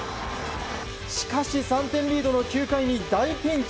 しかし、３点リードの９回に大ピンチ。